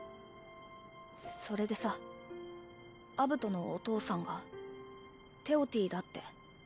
それでさアブトのお父さんがテオティだって。